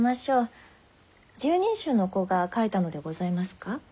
拾人衆の子が描いたのでございますか？